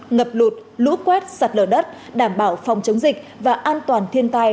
ngập lụt lũ quét sạt lở đất đảm bảo phòng chống dịch và an toàn thiên tai